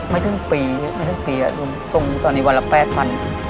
ไม่ถึงปีส่งตอนนี้วันละ๘๐๐๐